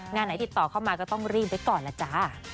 งานไหนติดต่อเข้ามาก็ต้องรีบไว้ก่อนล่ะจ๊ะ